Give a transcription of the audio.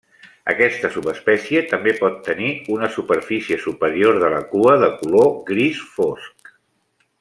Aquesta subespècie també pot tenir una superfície superior de la cua de color gris fosc.